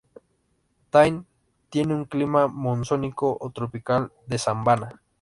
Thane tiene un clima monzónico o tropical de sabana.